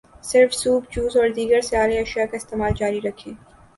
صرف soup, juice, اور دیگر سیال اشیاء کا استعمال جاری رکھیں۔